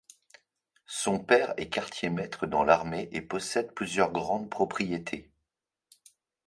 Son père est quartier-maître dans l’armée et possède plusieurs grandes propriétés.